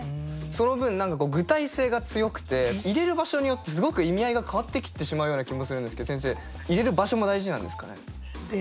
その分何か具体性が強くて入れる場所によってすごく意味合いが変わってきてしまうような気もするんですけど先生入れる場所も大事なんですかね？